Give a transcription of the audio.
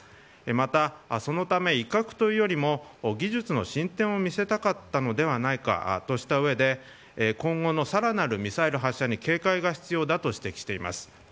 また、そのため威嚇というよりも技術の進展を見せたかったのではないかとした上で今後のさらなるミサイル発射に警戒が必要だと指摘しています。